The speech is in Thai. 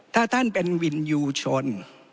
ถ้าท่านเป็นวินยูชน